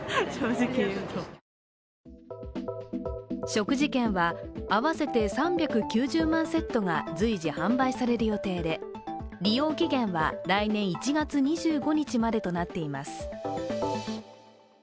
食事券は合わせて３９０万セットが随時販売される予定で利用期限は来年１月２５日までとなっています。